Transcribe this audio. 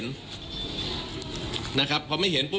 ที่สนชนะสงครามเปิดเพิ่ม